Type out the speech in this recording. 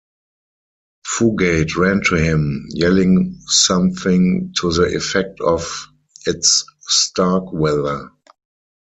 Fugate ran to him, yelling something to the effect of: It's Starkweather!